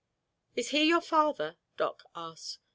"Is he your father?" Doc asked.